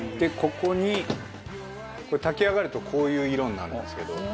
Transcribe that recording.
ここに炊き上がるとこういう色になるんですけど。